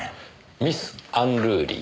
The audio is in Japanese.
ミス・アンルーリー。